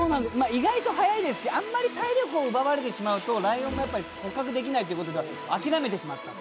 意外と速いですし、あまり体力を奪われてしまうとライオンも捕獲できないということで、諦めてしまった。